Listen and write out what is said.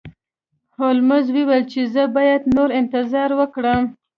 هولمز وویل چې زه باید نور انتظار وکړم.